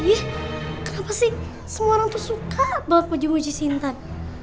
ih kenapa sih semua orang tuh suka buat puji puji si intan